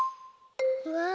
うわ！